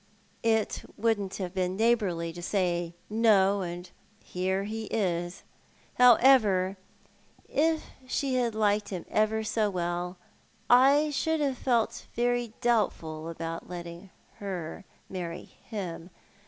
It wouldn't have been neighbourly to say no— and here he is. However, if she had liked him ever so well I should have felt very doubtful about letting her marry him.